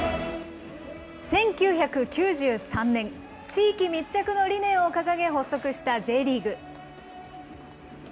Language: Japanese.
１９９３年、地域密着の理念を掲げ発足したＪリーグ。